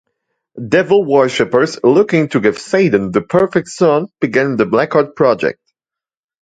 Devil worshippers, looking to give Satan the perfect son, began the Blackheart Project.